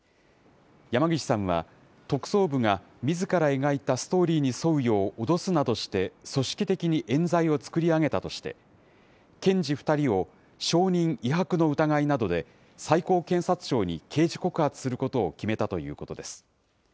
山岸さんは、特捜部がみずから描いたストーリーに沿うよう脅すなどして、組織的にえん罪を作り上げたとして、検事２人を証人威迫の疑いなどで最高検察庁に刑事告発することを決めたということです。